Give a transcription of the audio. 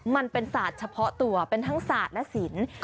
มันเป็นศาสตร์เฉพาะตัวเป็นทั้งศาสตร์และศิลป์